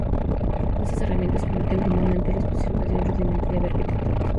Estas herramientas permiten comúnmente la especificación rudimentaria de arquitecturas.